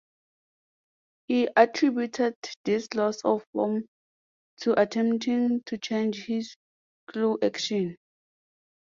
He attributed this loss of form to attempting to change his cue action.